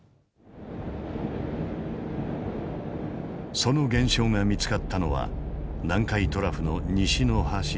その現象が見つかったのは南海トラフの西の端。